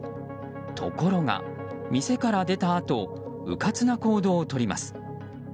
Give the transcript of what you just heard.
ところが店から出たあとうかつな行動をとります。